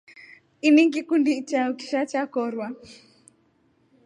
Ini ngikundi chao kishaa chakorwa.